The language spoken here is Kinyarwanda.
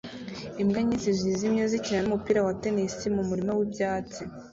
Imbwa nyinshi zijimye zikina numupira wa tennis mumurima wibyatsi